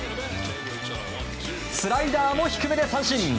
スライダーも低めで三振。